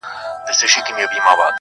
حمزه کچه خالونه یانې د رنجو